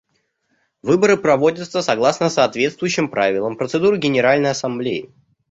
Выборы проводятся согласно соответствующим правилам процедуры Генеральной Ассамблеи.